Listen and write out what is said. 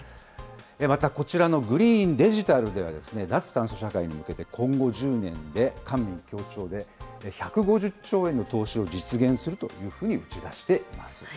またこちらのグリーン、デジタルでは脱炭素社会に向けて今後１０年で、官民協調で１５０兆円の投資を実現するというふうに打ち出しています。